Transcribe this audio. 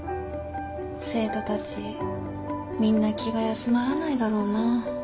生徒たちみんな気が休まらないだろうな。